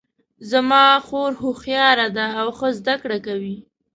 زما خور هوښیاره ده او ښه زده کړه کوي